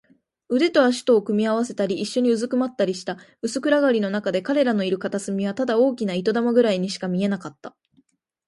腕と脚とを組み合わせたり、いっしょにうずくまったりした。薄暗がりのなかで、彼らのいる片隅はただ大きな糸玉ぐらいにしか見えなかった。